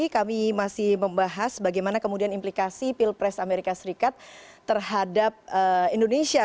kami masih membahas bagaimana kemudian implikasi pilpres amerika serikat terhadap indonesia